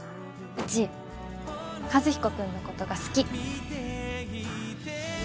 うち和彦君のことが好き。